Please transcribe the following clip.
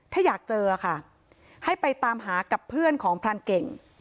ถ้าอยากเจอค่ะให้ไปตามหากับเพื่อนของพรานเก่ง